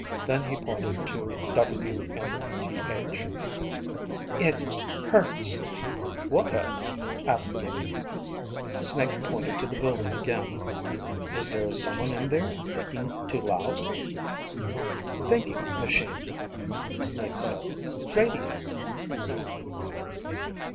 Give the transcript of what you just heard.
Then he pointed to WMTH. It ... hurts. "What hurts?" asked Iimmi. Snake pointed to the building again. "Is there someone in there thinking too loud?" Thinking ... machine, Snake said. _Radio